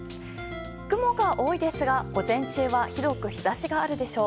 雲が多いですが、午前中は広く日差しがあるでしょう。